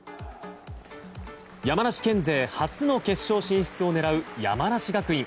山梨県勢初の決勝進出を狙う山梨学院。